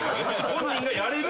本人がやれると。